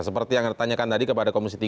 seperti yang ditanyakan tadi kepada komisi tiga